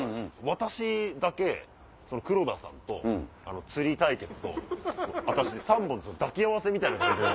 私だけ黒田さんと釣り対決と私で３本抱き合わせみたいな感じで。